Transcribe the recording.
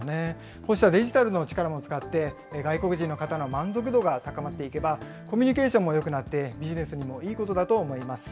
こうしたデジタルの力も使って外国人の方の満足度が高まっていけば、コミュニケーションもよくなって、ビジネスにもいいことだと思います。